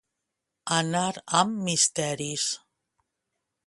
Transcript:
Anar amb misteris.